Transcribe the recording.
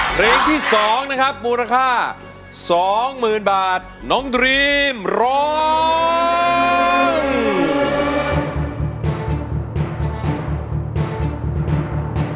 เพลงที่สองนะครับมูลค่าสองหมื่นบาทน้องดรีมร้อง